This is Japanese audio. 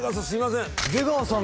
出川さん